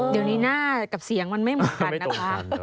เดี๋ยวนี้หน้ากับเสียงมันไม่เหมือนกันนะคะ